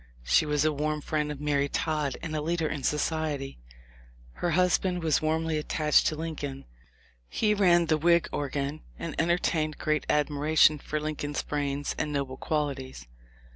She was a warm friend of Mary Todd and a leader in society. Her husband was warmly attached to Lincoln. He ran the Whig organ, and entertained great admira tion for Lincoln's brains and noble qualities.